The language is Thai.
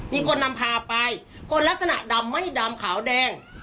มีคนนำพาไปคนลักษณะดำไม่ดำขาวแดง